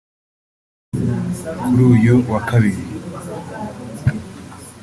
Kuri uyu wa kabiri